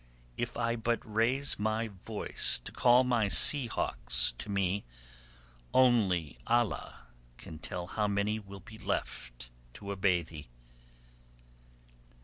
If I but raise my voice to call my sea hawks to me, only Allah can tell how many will be left to obey thee.